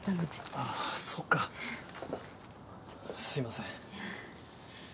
あぁそうかすいません。